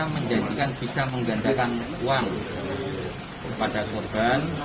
menjanjikan bisa menggandakan uang kepada korban